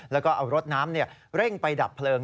แล้วก็เอารถน้ำเร่งไปดับเพลิง